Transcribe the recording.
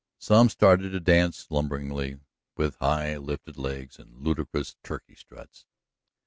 Some started to dance lumberingly, with high lifted legs and ludicrous turkey struts.